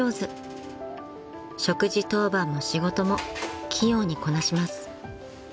［食事当番も仕事も器用にこなします］